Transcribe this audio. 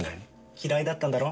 嫌いだったんだろ？